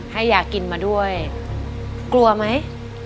ให้ยากินมาด้วยกลัวไหม